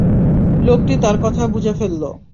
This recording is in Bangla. লোকটি তার কথা বুঝে ফেলল।